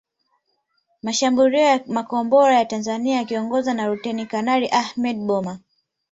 Mashambulio ya makombora ya Tanzania yakiongozwa na Luteni Kanali Ahmed Boma